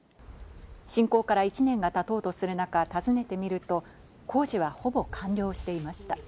侵攻から１年が経とうとする中、訪ねてみると工事は、ほぼ完了していました。